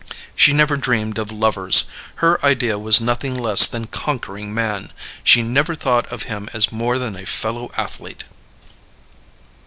She never dreamed of lovers; her idea was nothing less than conquering man; she never thought of him as more than a fellow athlete.